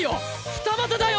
二股だよ！